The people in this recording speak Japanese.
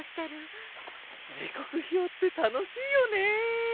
時刻表って楽しいよね！